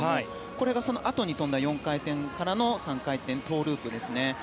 これが、そのあとに跳んだ４回転からの３回転トウループですね。